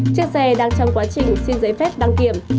chiếc xe đang trong quá trình xin giấy phép đăng kiểm